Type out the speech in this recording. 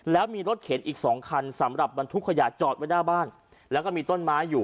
แล้วมีรถเข็นอีกสองคันสำหรับบรรทุกขยะจอดไว้หน้าบ้านแล้วก็มีต้นไม้อยู่